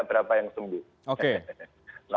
enggak berapa yang sembuh